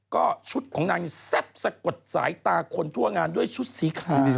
ก็ชุดของนางนี่แซ่บสะกดสายตาคนทั่วงานด้วยชุดสีขาว